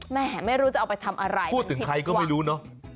แหมไม่รู้จะเอาไปทำอะไรผิดกว่า๋พูดถึงใครก็ไม่รู้เนอะ